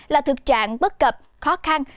là thực trạng bất cập khó khăn